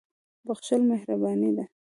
• بخښل مهرباني ده.